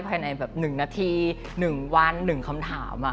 ภายในแบบ๑นาที๑วัน๑คำถาม